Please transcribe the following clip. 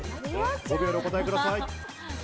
５秒でお答えください。